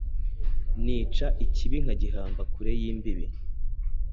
Nica ikibi nkagihamba kure y'imbibi